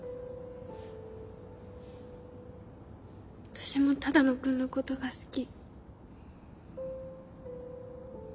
私も只野くんのことが好き。